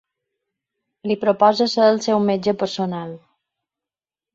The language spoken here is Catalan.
Li proposa ser el seu metge personal.